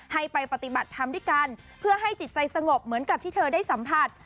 ให้ไปปฏิบัติธรรมด้วยกันเพื่อให้จิตใจสงบเหมือนกับที่เธอได้สัมผัส